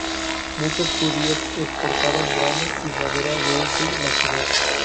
Muchos judíos exportaban grano y madera desde la ciudad.